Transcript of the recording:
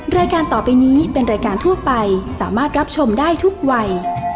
รายการต่อไปนี้เป็นรายการทั่วไปสามารถรับชมได้ทุกวัย